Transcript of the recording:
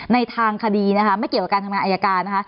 ในทางคดีไม่เกี่ยวกับการทำงานอัยการ